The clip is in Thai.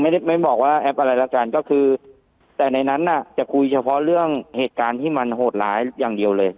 ไม่บอกว่าแอปอะไรละกันก็คือแต่ในนั้นน่ะจะคุยเฉพาะเรื่องเหตุการณ์ที่มันโหดร้ายอย่างเดียวเลย